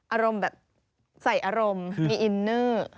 อารมณ์แบบใส่อารมณ์มีอินเนอร์